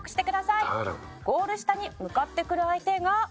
「ゴール下に向かってくる相手が」